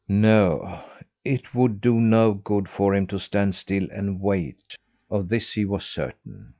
No, it would do no good for him to stand still and wait, of this he was certain.